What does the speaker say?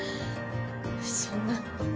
そんな。